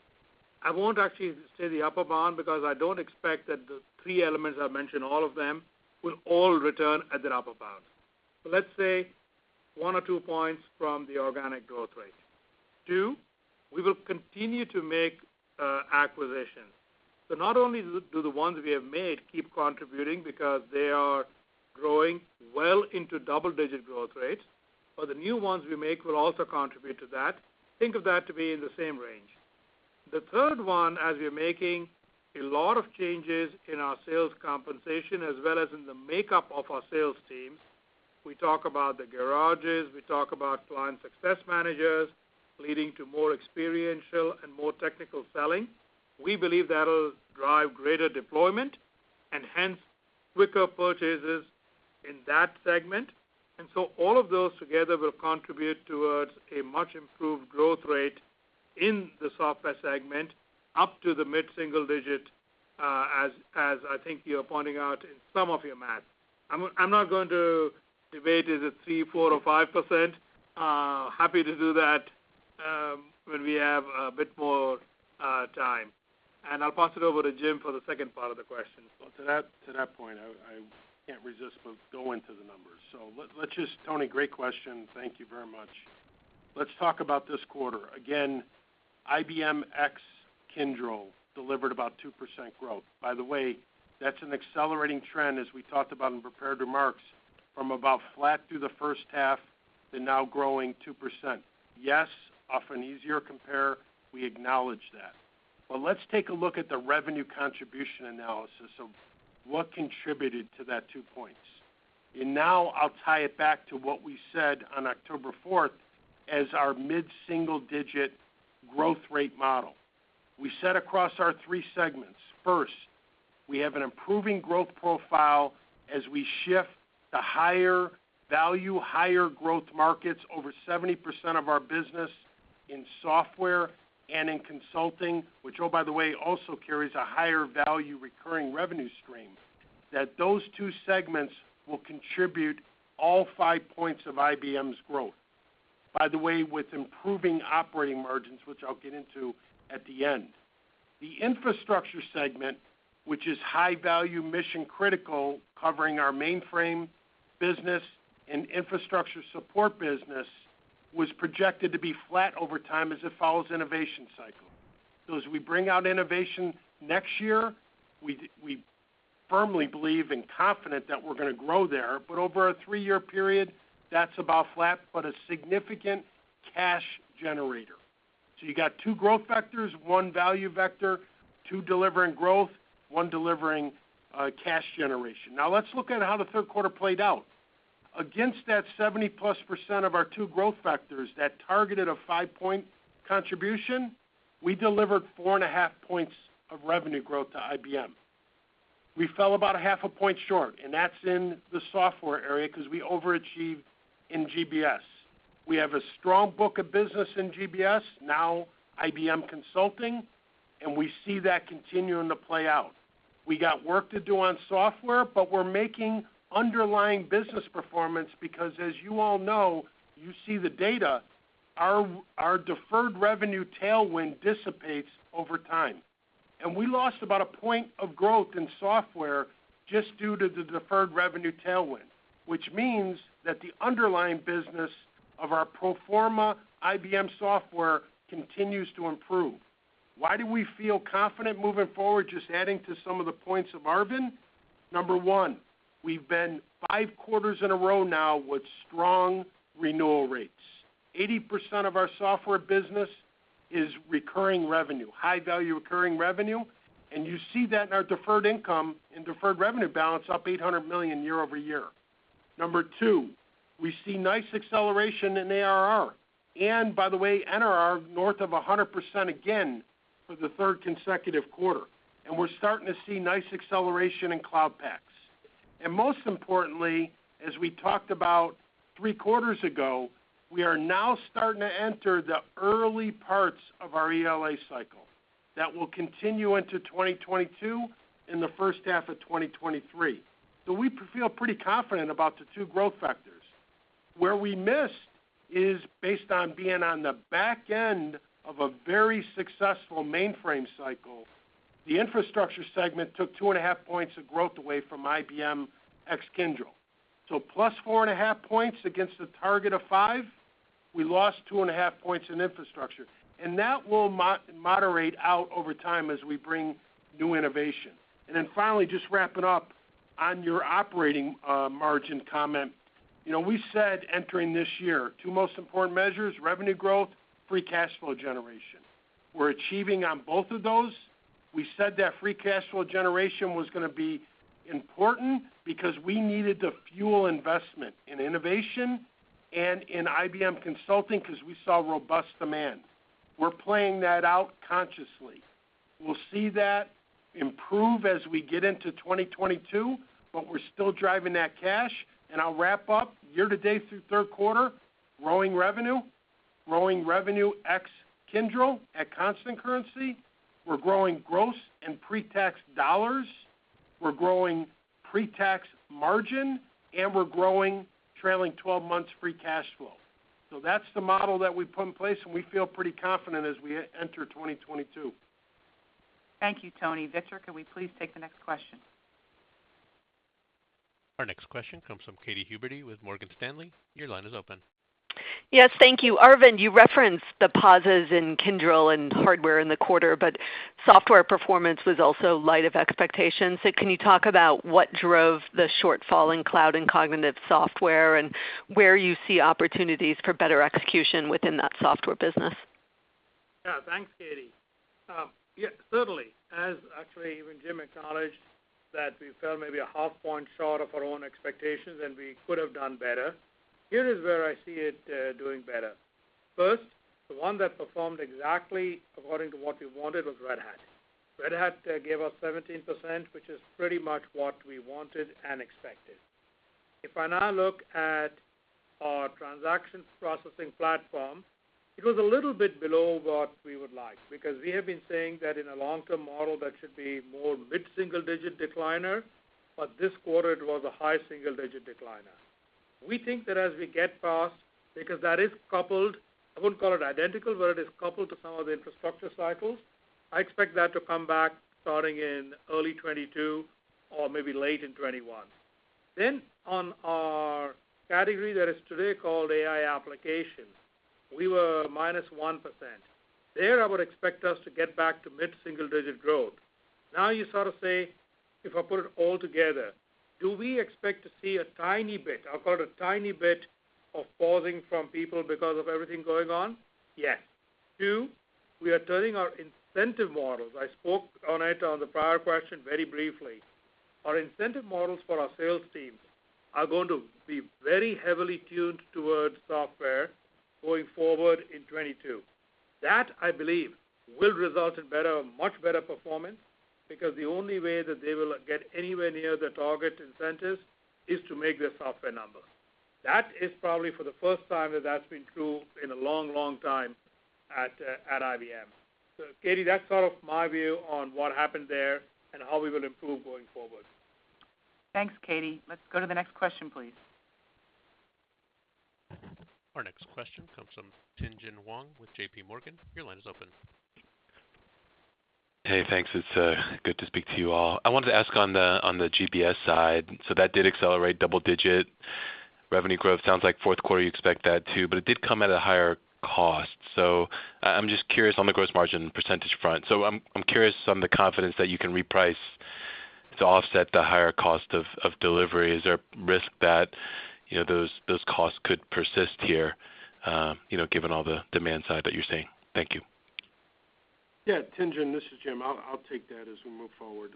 Speaker 3: I won't actually say the upper bound because I don't expect that the three elements I've mentioned, all of them, will all return at their upper bounds. Let's say one or two points from the organic growth rate. Two, we will continue to make acquisitions. Not only do the ones we have made keep contributing because they are growing well into double-digit growth rates, but the new ones we make will also contribute to that. Think of that to be in the same range. The third one, as we're making a lot of changes in our sales compensation as well as in the makeup of our sales teams, we talk about the Garages, we talk about client success managers leading to more experiential and more technical selling. We believe that'll drive greater deployment and hence quicker purchases in that segment. All of those together will contribute towards a much-improved growth rate in the software segment up to the mid-single digit, as I think you're pointing out in some of your math. I'm not going to debate is it 3%, 4%, or 5%. Happy to do that when we have a bit more time. I'll pass it over to Jim for the second part of the question.
Speaker 4: Well, to that point, I can't resist but go into the numbers. Toni, great question. Thank you very much. Let's talk about this quarter. Again, IBM ex Kyndryl delivered about 2% growth. By the way, that's an accelerating trend as we talked about in prepared remarks from about flat through the first half and now growing 2%. Yes, off an easier compare, we acknowledge that. Let's take a look at the revenue contribution analysis of what contributed to that two points. Now I'll tie it back to what we said on October four as our mid-single digit growth rate model. We said across our three segments, first, we have an improving growth profile as we shift to higher value, higher growth markets, over 70% of our business in software and in consulting, which, oh, by the way, also carries a higher value recurring revenue stream, that those two segments will contribute all five points of IBM's growth. By the way, with improving operating margins, which I'll get into at the end. The infrastructure segment, which is high value mission-critical, covering our mainframe business and infrastructure support business, was projected to be flat over time as it follows innovation cycle. As we bring out innovation next year, we firmly believe and confident that we're going to grow there, but over a three year period, that's about flat, but a significant cash generator. You got two growth vectors, one value vector, two delivering growth, one delivering cash generation. Now let's look at how the third quarter played out. Against that 70%-plus of our two growth vectors that targeted a five point contribution, we delivered 4.5 points of revenue growth to IBM. We fell about 0.5 point short, and that's in the software area because we overachieved in GBS. We have a strong book of business in GBS, now IBM Consulting, and we see that continuing to play out. We got work to do on software, but we're making underlying business performance because as you all know, you see the data, our deferred revenue tailwind dissipates over time. We lost about one point of growth in software just due to the deferred revenue tailwind, which means that the underlying business of our pro forma IBM software continues to improve. Why do we feel confident moving forward? Just adding to some of the points of Arvind. Number one, we've been five quarters in a row now with strong renewal rates. 80% of our software business is recurring revenue, high-value recurring revenue, you see that in our deferred income and deferred revenue balance up $800 million year-over-year. Number two, we see nice acceleration in ARR. By the way, NRR north of 100% again for the third consecutive quarter. We're starting to see nice acceleration in Cloud Paks. Most importantly, as we talked about three quarters ago, we are now starting to enter the early parts of our ELA cycle that will continue into 2022, in the first half of 2023. We feel pretty confident about the two growth factors. Where we missed is based on being on the back end of a very successful mainframe cycle. The infrastructure segment took 2.5 points of growth away from IBM ex Kyndryl. +4.5 points against a target of five, we lost 2.5 points in infrastructure. That will moderate out over time as we bring new innovation. Finally, just wrapping up on your operating margin comment. We said entering this year, two most important measures, revenue growth, free cash flow generation. We're achieving on both of those. We said that free cash flow generation was going to be important because we needed to fuel investment in innovation and in IBM Consulting because we saw robust demand. We're playing that out consciously. We'll see that improve as we get into 2022, but we're still driving that cash, and I'll wrap up year to date through third quarter, growing revenue, growing revenue ex Kyndryl at constant currency. We're growing gross and pre-tax dollars. We're growing pre-tax margin, and we're growing trailing 12 months free cash flow. That's the model that we put in place, and we feel pretty confident as we enter 2022.
Speaker 2: Thank you, Tony. Victor, can we please take the next question?
Speaker 1: Our next question comes from Katy Huberty with Morgan Stanley. Your line is open.
Speaker 7: Yes, thank you. Arvind, you referenced the pauses in Kyndryl and hardware in the quarter. Software performance was also light of expectations. Can you talk about what drove the shortfall in Cloud & Cognitive Software and where you see opportunities for better execution within that software business?
Speaker 3: Yeah, thanks, Katy. Yeah, certainly. As actually even Jim acknowledged that we fell maybe a 0.5 point short of our own expectations, and we could have done better. Here is where I see it doing better. First, the one that performed exactly according to what we wanted was Red Hat. Red Hat gave us 17%, which is pretty much what we wanted and expected. If I now look at our Transaction Processing Platforms, it was a little bit below what we would like because we have been saying that in a long-term model that should be more mid-single-digit decliner, but this quarter it was a high single-digit decliner. We think that as we get past, because that is coupled, I wouldn't call it identical, but it is coupled to some of the infrastructure cycles. I expect that to come back starting in early 2022 or maybe late in 2021. On our category that is today called AI applications, we were minus 1%. There, I would expect us to get back to mid-single-digit growth. You sort of say, if I put it all together, do we expect to see a tiny bit, I'll call it a tiny bit of pausing from people because of everything going on? Yes. Two, we are turning our incentive models. I spoke on it on the prior question very briefly. Our incentive models for our sales teams are going to be very heavily tuned towards software going forward in 2022. That, I believe, will result in much better performance because the only way that they will get anywhere near the target incentives is to make their software numbers. That is probably for the first time that that's been true in a long, long time at IBM. Katy, that's sort of my view on what happened there and how we will improve going forward.
Speaker 2: Thanks, Katy. Let's go to the next question, please.
Speaker 1: Our next question comes from Tien-Tsin Huang with JPMorgan. Your line is open.
Speaker 8: Hey, thanks. It's good to speak to you all. I wanted to ask on the GBS side. That did accelerate double-digit revenue growth. Sounds like fourth quarter you expect that too, it did come at a higher cost. I'm just curious on the gross margin percentage front. I'm curious on the confidence that you can reprice to offset the higher cost of delivery. Is there a risk that those costs could persist here given all the demand side that you're seeing? Thank you.
Speaker 4: Yeah, Tien-Tsin, this is James. I'll take that as we move forward.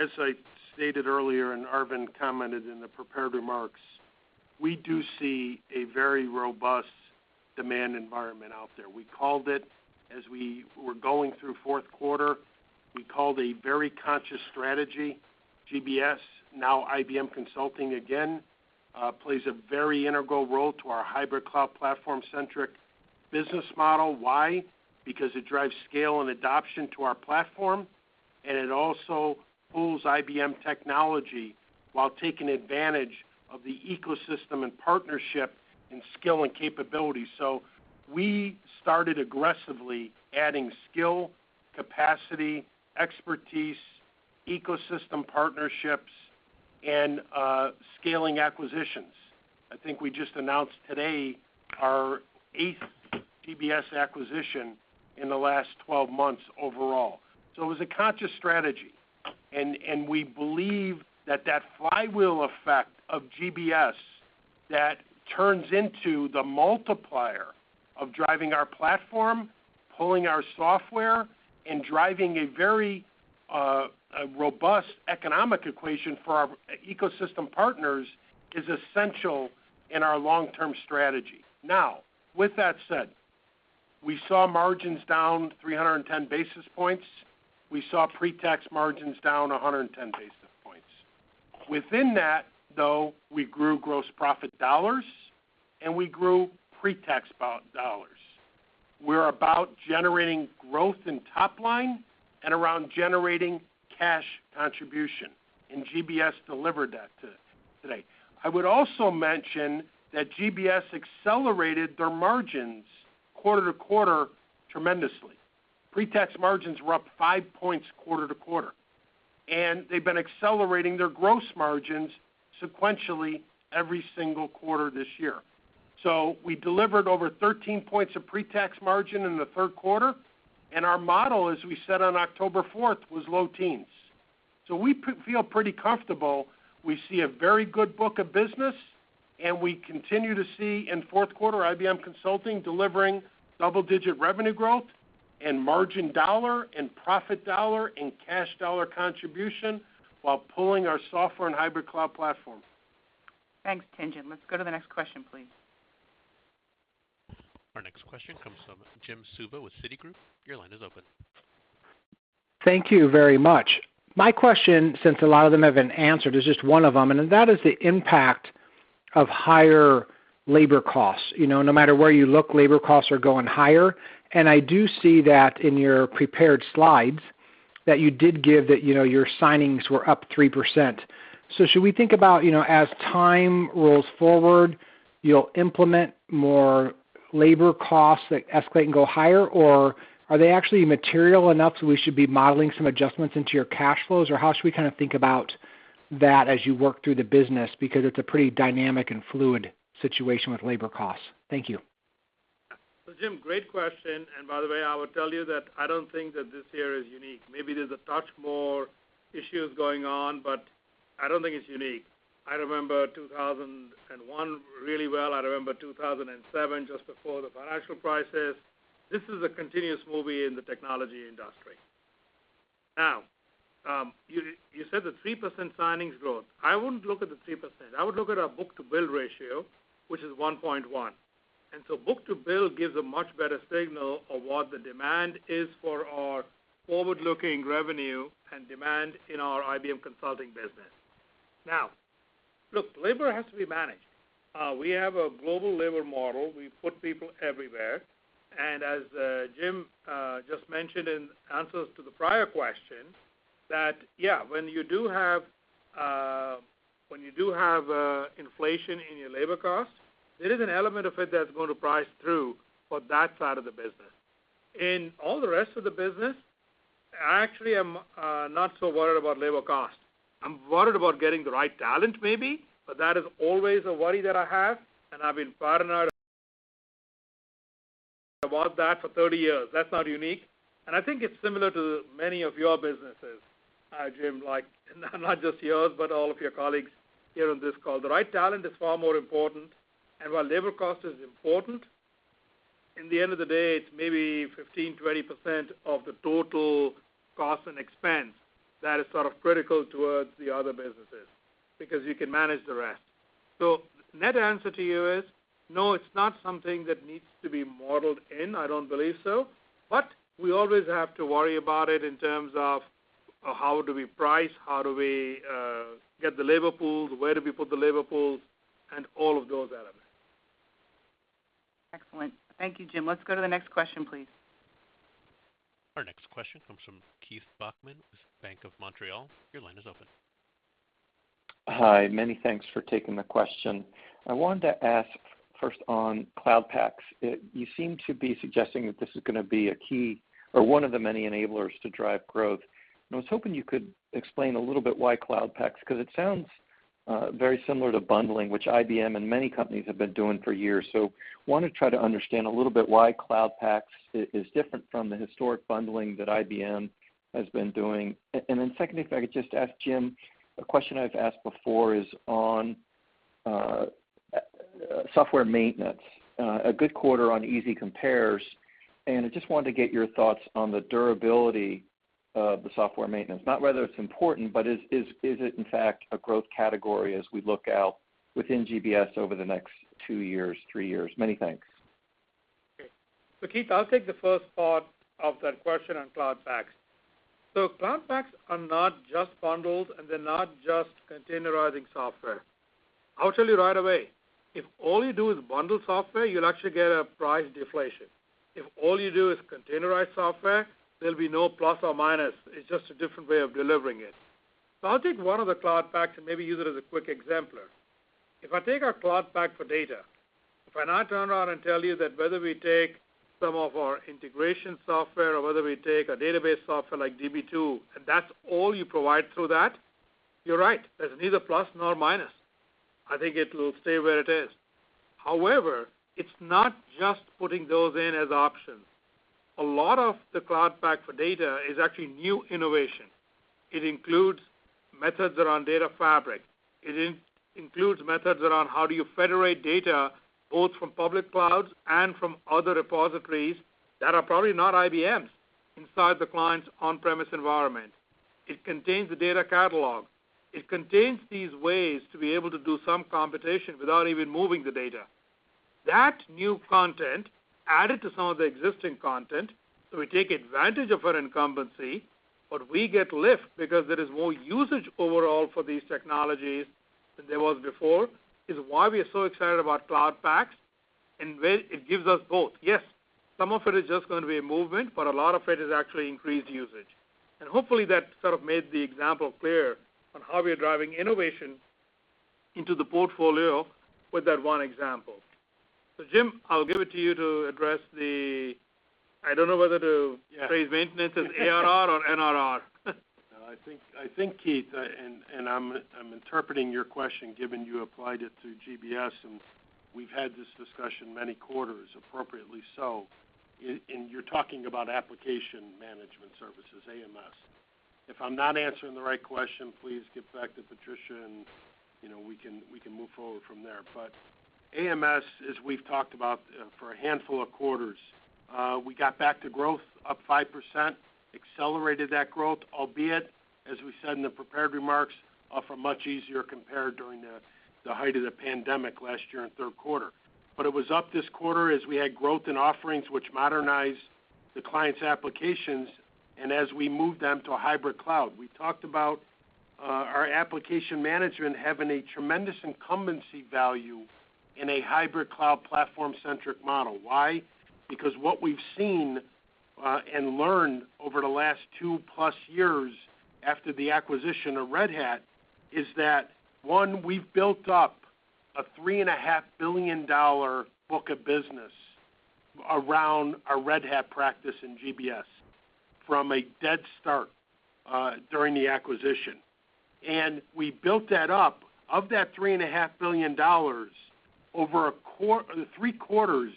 Speaker 4: As I stated earlier, and Arvind commented in the prepared remarks, we do see a very robust demand environment out there. We called it as we were going through fourth quarter, we called a very conscious strategy, GBS, now IBM Consulting again, plays a very integral role to our hybrid cloud platform-centric business model. Why? Because it drives scale and adoption to our platform, and it also pulls IBM technology while taking advantage of the ecosystem and partnership in skill and capability. We started aggressively adding skill, capacity, expertise, ecosystem partnerships. Scaling acquisitions. I think we just announced today our eighth GBS acquisition in the last 12 months overall. It was a conscious strategy, and we believe that flywheel effect of GBS that turns into the multiplier of driving our platform, pulling our software, and driving a very robust economic equation for our ecosystem partners is essential in our long-term strategy. With that said, we saw margins down 310 basis points. We saw pre-tax margins down 110 basis points. Within that, though, we grew gross profit dollars, and we grew pre-tax dollars. We're about generating growth in top line and around generating cash contribution, and GBS delivered that today. I would also mention that GBS accelerated their margins quarter to quarter tremendously. Pre-tax margins were up five points quarter to quarter, and they've been accelerating their gross margins sequentially every single quarter this year. We delivered over 13 points of pre-tax margin in the third quarter, and our model, as we said on October fourth, was low teens. We feel pretty comfortable. We see a very good book of business, and we continue to see in fourth quarter IBM Consulting delivering double-digit revenue growth and margin dollar and profit dollar and cash dollar contribution while pulling our software and hybrid cloud platform.
Speaker 2: Thanks, Tien-Tsin Huang. Let's go to the next question, please.
Speaker 1: Our next question comes from Jim Suva with Citigroup. Your line is open.
Speaker 9: Thank you very much. My question, since a lot of them have been answered, is just one of them, and that is the impact of higher labor costs. No matter where you look, labor costs are going higher. I do see that in your prepared slides that you did give that your signings were up 3%. Should we think about, as time rolls forward, you'll implement more labor costs that escalate and go higher? Are they actually material enough so we should be modeling some adjustments into your cash flows? How should we kind of think about that as you work through the business? Because it's a pretty dynamic and fluid situation with labor costs. Thank you.
Speaker 3: Jim, great question. By the way, I would tell you that I don't think that this year is unique. Maybe there's a touch more issues going on, but I don't think it's unique. I remember 2001 really well. I remember 2007, just before the financial crisis. This is a continuous movie in the technology industry. Now, you said the 3% signings growth. I wouldn't look at the 3%. I would look at our book-to-bill ratio, which is 1.1. Book-to-bill gives a much better signal of what the demand is for our forward-looking revenue and demand in our IBM Consulting business. Now, look, labor has to be managed. We have a global labor model. We put people everywhere. As Jim just mentioned in answers to the prior question, that yeah, when you do have inflation in your labor costs, there is an element of it that's going to price through for that side of the business. In all the rest of the business, I actually am not so worried about labor costs. I'm worried about getting the right talent maybe, but that is always a worry that I have, and I've been partner about that for 30 years. That's not unique. I think it's similar to many of your businesses, Jim. Not just yours, but all of your colleagues here on this call. The right talent is far more important. While labor cost is important, in the end of the day, it's maybe 15%-20% of the total cost and expense that is sort of critical towards the other businesses, because you can manage the rest. Net answer to you is, no, it's not something that needs to be modeled in, I don't believe so, but we always have to worry about it in terms of how do we price, how do we get the labor pools, where do we put the labor pools, and all of those elements.
Speaker 2: Excellent. Thank you, James. Let's go to the next question, please.
Speaker 1: Our next question comes from Keith Bachman with Bank of Montreal. Your line is open.
Speaker 10: Hi, many thanks for taking the question. I wanted to ask first on Cloud Paks. You seem to be suggesting that this is going to be a key or one of the many enablers to drive growth. I was hoping you could explain a little bit why Cloud Paks, because it sounds very similar to bundling, which IBM and many companies have been doing for years. Want to try to understand a little bit why Cloud Paks is different from the historic bundling that IBM has been doing. Secondly, if I could just ask Jim, a question I've asked before is on software maintenance. A good quarter on easy compares, and I just wanted to get your thoughts on the durability of the software maintenance. Not whether it's important, is it in fact a growth category as we look out within GBS over the next two years, three years? Many thanks.
Speaker 3: Keith, I'll take the first part of that question on Cloud Paks. Cloud Paks are not just bundles, and they're not just containerizing software. I'll tell you right away, if all you do is bundle software, you'll actually get a price deflation. If all you do is containerize software, there'll be no plus or minus. It's just a different way of delivering it. I'll take one of the Cloud Paks and maybe use it as a quick exemplar. If I take our Cloud Pak for Data, if I now turn around and tell you that whether we take some of our integration software or whether we take a database software like Db2, and that's all you provide through that, you're right. There's neither plus nor minus. I think it will stay where it is. However, it's not just putting those in as options. A lot of the Cloud Pak for Data is actually new innovation. It includes methods around data fabric. It includes methods around how do you federate data, both from public clouds and from other repositories that are probably not IBM's inside the client's on-premise environment. It contains a data catalog. It contains these ways to be able to do some computation without even moving the data. That new content, added to some of the existing content, so we take advantage of our incumbency, but we get lift because there is more usage overall for these technologies than there was before, is why we are so excited about Cloud Paks and where it gives us both. Yes, some of it is just going to be a movement, but a lot of it is actually increased usage. Hopefully that sort of made the example clear on how we are driving innovation into the portfolio with that one example. James, I'll give it to you.
Speaker 4: Yeah
Speaker 3: phrase maintenance as ARR or NRR.
Speaker 4: No, I think, Keith, and I'm interpreting your question given you applied it to GBS, and we've had this discussion many quarters, appropriately so, and you're talking about application management services, AMS. If I'm not answering the right question, please get back to Patricia, and we can move forward from there. AMS, as we've talked about for a handful of quarters, we got back to growth, up 5%, accelerated that growth, albeit, as we said in the prepared remarks, off a much easier compare during the height of the pandemic last year in third quarter. It was up this quarter as we had growth in offerings which modernized the client's applications and as we moved them to a hybrid cloud. We talked about our application management having a tremendous incumbency value in a hybrid cloud platform-centric model. Why? What we've seen, and learned over the last 2+ years after the acquisition of Red Hat is that, one, we've built up a $3.5 billion book of business around our Red Hat practice in GBS from a dead start during the acquisition. We built that up. Of that $3.5 billion, over three quarters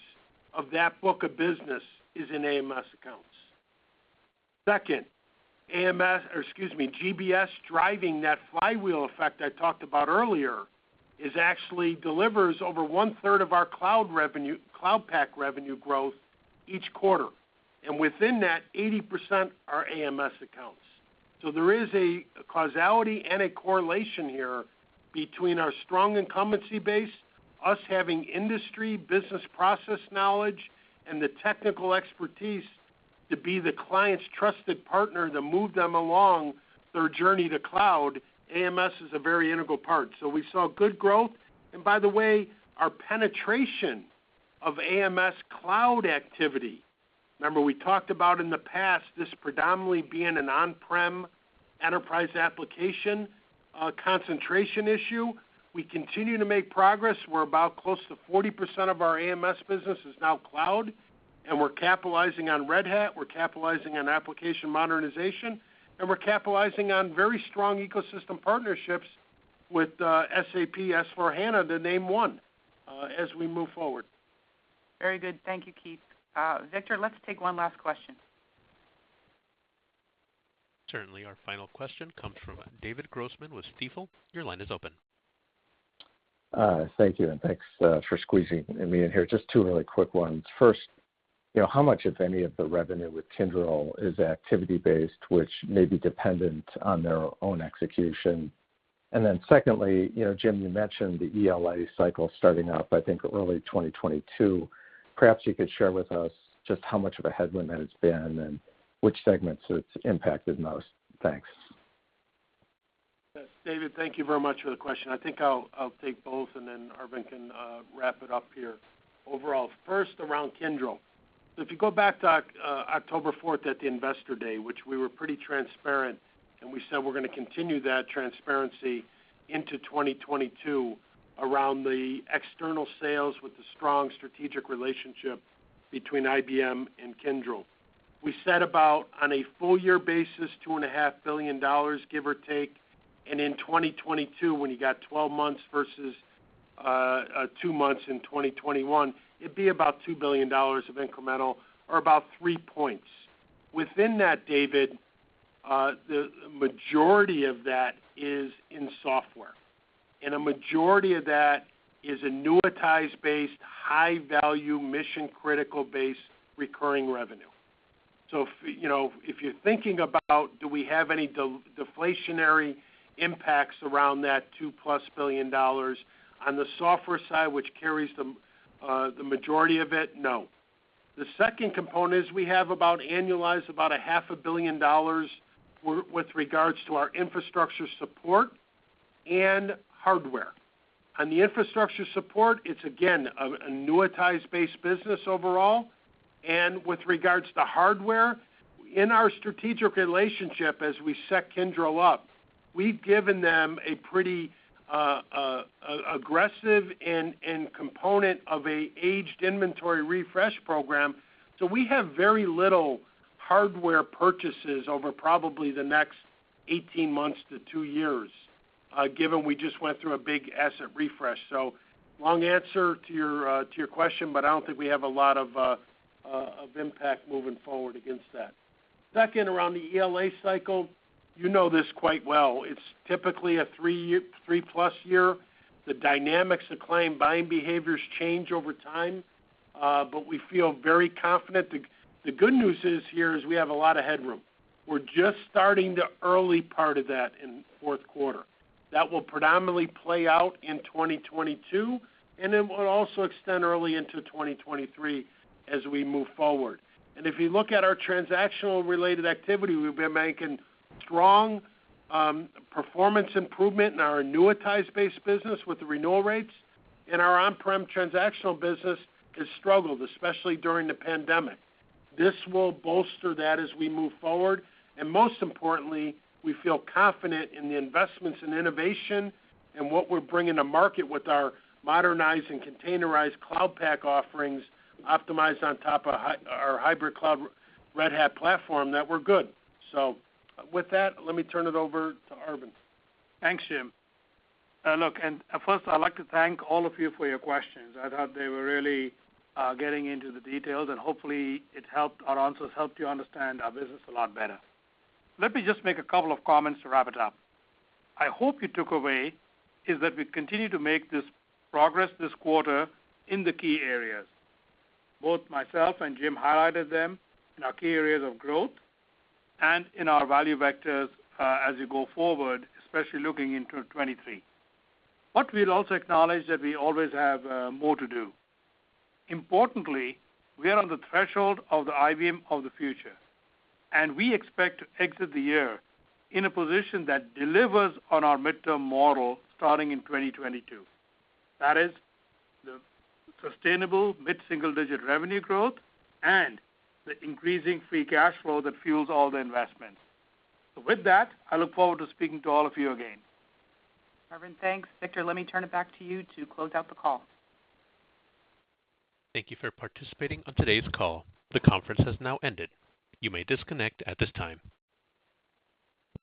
Speaker 4: of that book of business is in AMS accounts. Second, GBS driving that flywheel effect I talked about earlier, is actually delivers over one-third of our Cloud Pak revenue growth each quarter. Within that, 80% are AMS accounts. There is a causality and a correlation here between our strong incumbency base, us having industry business process knowledge, and the technical expertise to be the client's trusted partner to move them along their journey to cloud. AMS is a very integral part. We saw good growth. By the way, our penetration of AMS Cloud activity, remember we talked about in the past this predominantly being an on-prem enterprise application, concentration issue. We continue to make progress. We're about close to 40% of our AMS business is now cloud, and we're capitalizing on Red Hat, we're capitalizing on application modernization, and we're capitalizing on very strong ecosystem partnerships with SAP S/4HANA to name one as we move forward.
Speaker 2: Very good. Thank you, Keith. Victor, let's take one last question.
Speaker 1: Certainly. Our final question comes from David Grossman with Stifel. Your line is open.
Speaker 11: Thank you. Thanks for squeezing me in here. Just two really quick ones. First, how much, if any, of the revenue with Kyndryl is activity-based, which may be dependent on their own execution? Secondly, Jim, you mentioned the ELA cycle starting up, I think early 2022. Perhaps you could share with us just how much of a headwind that it's been and which segments it's impacted most. Thanks.
Speaker 4: David, thank you very much for the question. I think I'll take both. Arvind can wrap it up here. Overall, first around Kyndryl. If you go back to October 4th at the Investor Day, which we were pretty transparent, and we said we're going to continue that transparency into 2022 around the external sales with the strong strategic relationship between IBM and Kyndryl. We said about on a full year basis, $2.5 billion, give or take, and in 2022, when you got 12 months versus two months in 2021, it'd be about $2 billion of incremental or about three points. Within that, David, the majority of that is in software. A majority of that is annuitized-based, high-value, mission critical-based recurring revenue. If you're thinking about do we have any deflationary impacts around that $2+ billion, on the software side, which carries the majority of it, no. The second component is we have about annualized about a half a billion dollars with regards to our infrastructure support and hardware. On the infrastructure support, it's again, an annuitized-based business overall. With regards to hardware, in our strategic relationship, as we set Kyndryl up, we've given them a pretty aggressive and component of a aged inventory refresh program. We have very little hardware purchases over probably the next 18 months to two years, given we just went through a big asset refresh. Long answer to your question, but I don't think we have a lot of impact moving forward against that. Second, around the ELA cycle, you know this quite well. It's typically a three plus year. The dynamics, the client buying behaviors change over time. We feel very confident. The good news is here is we have a lot of headroom. We're just starting the early part of that in fourth quarter. That will predominantly play out in 2022, and then will also extend early into 2023 as we move forward. If you look at our transactional-related activity, we've been making strong performance improvement in our annuitized-based business with the renewal rates, and our on-prem transactional business has struggled, especially during the pandemic. This will bolster that as we move forward. Most importantly, we feel confident in the investments in innovation and what we're bringing to market with our modernized and containerized Cloud Pak offerings optimized on top of our hybrid cloud Red Hat platform, that we're good. With that, let me turn it over to Arvind.
Speaker 3: Thanks, Jim. Look, first I'd like to thank all of you for your questions. I thought they were really getting into the details, hopefully our answers helped you understand our business a lot better. Let me just make a couple of comments to wrap it up. I hope you took away is that we continue to make this progress this quarter in the key areas. Both myself and Jim highlighted them in our key areas of growth and in our value vectors as we go forward, especially looking into 2023. We'll also acknowledge that we always have more to do. Importantly, we are on the threshold of the IBM of the future, we expect to exit the year in a position that delivers on our midterm model starting in 2022. That is the sustainable mid-single digit revenue growth and the increasing free cash flow that fuels all the investments. With that, I look forward to speaking to all of you again.
Speaker 2: Arvind, thanks. Victor, let me turn it back to you to close out the call.
Speaker 1: Thank you for participating on today's call. The conference has now ended. You may disconnect at this time.